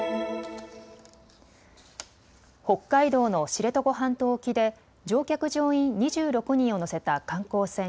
北海道の知床半島沖で乗客・乗員２６人を乗せた観光船